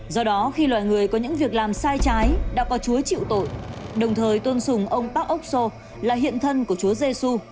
do đó khi loài người có những việc làm sai trái đã có chúa chịu tội đồng thời tuân sùng ông park ốc sô là hiện thân của chúa giê xu